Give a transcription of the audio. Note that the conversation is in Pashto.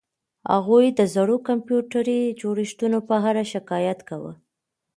هغه د زړو کمپیوټري جوړښتونو په اړه شکایت کاوه